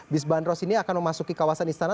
bus bantros ini akan memasuki kawasan istana